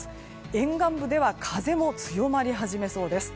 沿岸部では風も強まり始めそうです。